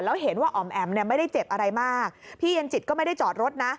แล้วเห็นว่าอ๋อมแอ๋มเนี่ยไม่ได้เจ็บอะไรมากพี่เย็นจิตก็ไม่ได้จอดรถนะ